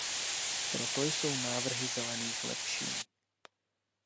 Proto jsou návrhy Zelených lepší.